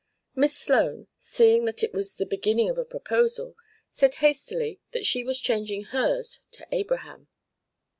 Miss Sloan, seeing that it was the beginning of a proposal, said hastily that she was changing hers to Abraham.